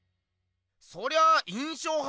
そりゃ印象派